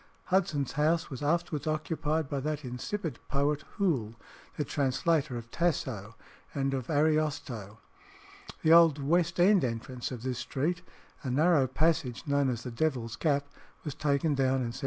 Hudson's house was afterwards occupied by that insipid poet, Hoole, the translator of Tasso and of Ariosto. The old West End entrance of this street, a narrow passage known as the "Devil's Gap," was taken down in 1765.